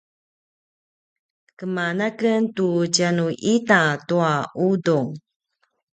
keman a ken tu tjanu ita tua udung